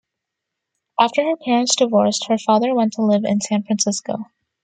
After her parents divorced, her father went to live in San Francisco.